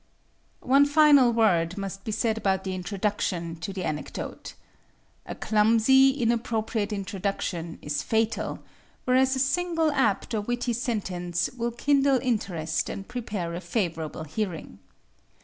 One final word must be said about the introduction to the anecdote. A clumsy, inappropriate introduction is fatal, whereas a single apt or witty sentence will kindle interest and prepare a favorable hearing.